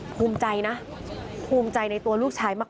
ภูมิใจนะภูมิใจในตัวลูกชายมาก